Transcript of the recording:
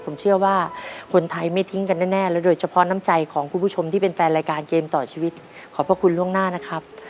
ผมเชื่อว่าคนไทยไม่ทิ้งกันแน่และโดยเฉพาะน้ำใจของคุณผู้ชมที่เป็นแฟนรายการเกมต่อชีวิตขอบพระคุณล่วงหน้านะครับ